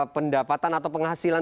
pendapatan atau penghasilan